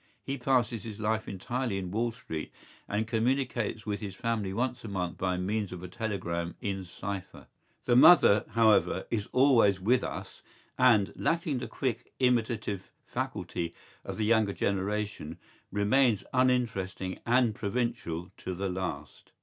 ¬Ý He passes his life entirely in Wall Street and communicates with his family once a month by means of a telegram in cipher.¬Ý The mother, however, is always with us, and, lacking the quick imitative faculty of the younger generation, remains uninteresting and provincial to the last.